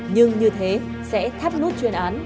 nhưng như thế sẽ thắt nút chuyên án